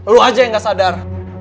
lu aja yang gak sadar